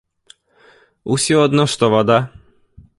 Усё адно што вада.